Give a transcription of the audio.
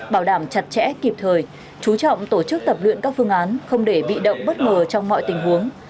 bảo đảm chặt chẽ kịp thời chú trọng tổ chức tập luyện các phương án không để bị động bất ngờ trong mọi tình huống